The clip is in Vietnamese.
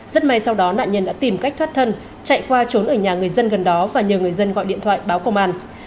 rất may sau đó nạn nhân đã tìm cách thoát thân chạy qua trốn ở nhà người dân gần đó và nhờ người dân gọi điện thoại báo công an